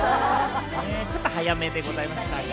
ちょっと早めでございましたが。